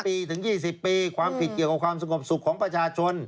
ปีถึง๒๐ปีความผิดเกี่ยวกับความสงบสุขของประชาชน